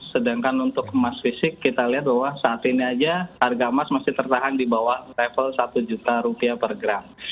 sedangkan untuk emas fisik kita lihat bahwa saat ini aja harga emas masih tertahan di bawah level satu juta rupiah per gram